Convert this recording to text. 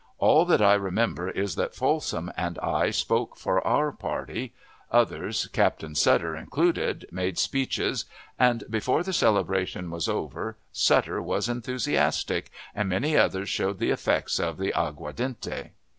All that I remember is that Folsom and I spoke for our party; others, Captain Sutter included, made speeches, and before the celebration was over Sutter was enthusiastic, and many others showed the effects of the aguardiente.